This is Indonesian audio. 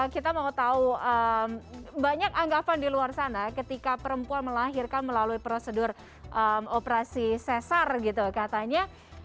kita mau tahu banyak anggapan di luar sana ketika perempuan melahirkan melalui prosedur operasi sesar gitu katanya